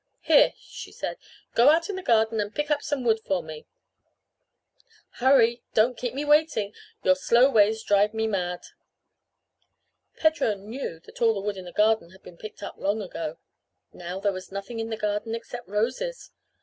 "Here," she said. "Go out in the garden and pick up some wood for me. Hurry. Don't keep me waiting. Your slow ways drive me mad." Pedro knew that all the wood in the garden had been picked up long ago. Now there was nothing in the garden except roses.